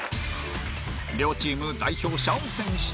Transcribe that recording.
両チーム代表者を選出